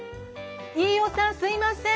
飯尾さんすいません。